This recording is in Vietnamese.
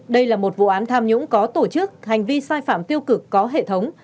đây là một vụ án tham nhũng có tổ chức hành vi sai phạm tiêu cực có hệ thống